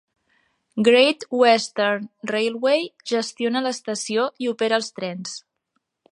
Great Western Railway gestiona l'estació i opera els trens.